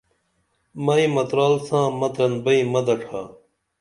مئی مترال ساں مترن بئیں مہ دڇھا